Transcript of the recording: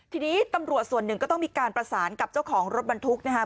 ทีนี้ตำรวจส่วนหนึ่งก็ต้องมีการประสานกับเจ้าของรถบรรทุกนะครับ